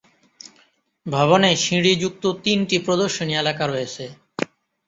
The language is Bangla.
ভবনে সিঁড়ি যুক্ত তিনটি প্রদর্শনী এলাকা রয়েছে।